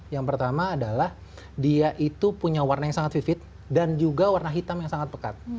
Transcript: yang pertama adalah dia itu punya warna yang sangat vivid dan juga warna hitam yang sangat pekat